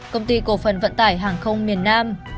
công ty cổ phần vận tải hàng không miền nam